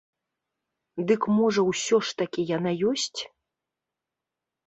Дык можа ўсё ж такі яна ёсць?